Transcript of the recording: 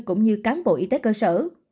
cũng như cán bộ y tế cơ sở